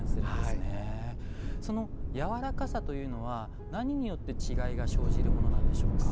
そのやわらかさというのは何によって違いが生じるものなんでしょうか。